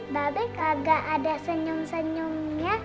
ba bae kagak ada senyum senyumnya